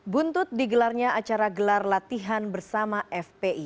buntut digelarnya acara gelar latihan bersama fpi